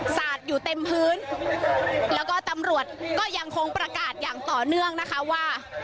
สาดอยู่เต็มพื้นแล้วก็ตำรวจก็ยังคงประกาศอย่างต่อเนื่องนะคะว่า